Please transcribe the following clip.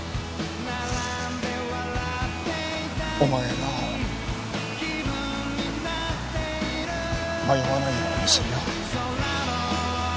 お前が迷わないようにするよ。